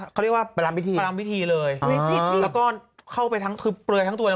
เขาเรียกว่าพร้ำพิธีเลยแล้วก็เข้าไปทั้งคือเปลือยทั้งตัวเนี่ย